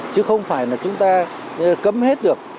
chứ không phải là chúng ta cấm hết được